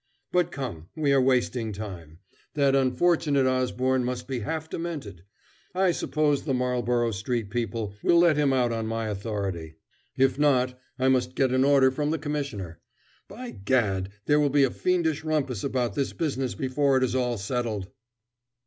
But come, we are wasting time that unfortunate Osborne must be half demented. I suppose the Marlborough Street people will let him out on my authority. If not, I must get an order from the Commissioner. By gad, there will be a fiendish rumpus about this business before it is all settled!"